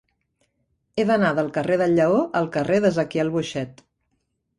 He d'anar del carrer del Lleó al carrer d'Ezequiel Boixet.